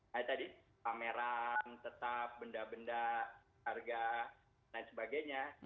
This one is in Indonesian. tadi tadi pameran tetap benda benda harga dan sebagainya